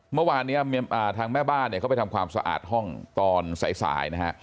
เมื่อวานเนี่ยทางแม่บ้านเนี่ยเขาไปทำความสะอาดห้องตอนสายนะฮะ